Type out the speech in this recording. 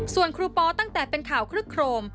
ส่วนครูปอตั้งแต่เป็นข่าวคลึกโครม